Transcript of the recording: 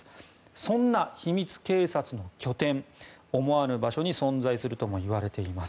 そんな秘密警察の拠点は思わぬ場所に存在するともいわれています。